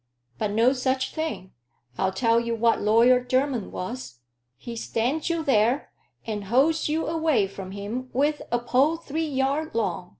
But no such thing. I'll tell you what Lawyer Jermyn was. He stands you there, and holds you away from him wi' a pole three yard long.